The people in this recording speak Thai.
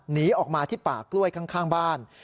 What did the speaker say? หนีออกมาที่ป่ากล้วยข้างบ้าน